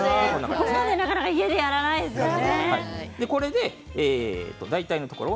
これは、なかなか家でやらないですよね。